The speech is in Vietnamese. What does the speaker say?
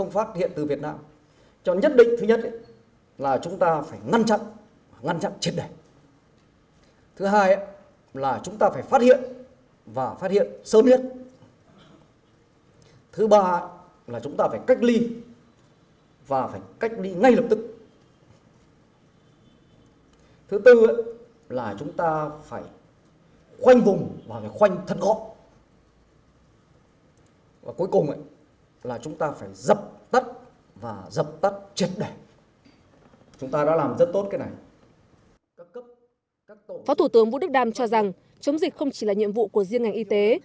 phó thủ tướng vũ đức đam cho rằng chống dịch không chỉ là nhiệm vụ của riêng ngành y tế